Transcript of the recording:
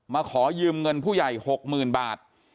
ขอยืมเงินผู้ใหญ่๖๐๐๐บาท